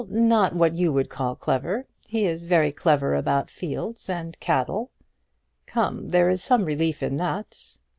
"Well; not what you would call clever. He is very clever about fields and cattle." "Come, there is some relief in that."